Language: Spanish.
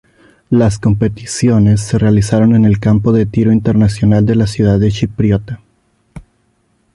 Las competiciones se realizaron en el Campo de Tiro Internacional de la ciudad chipriota.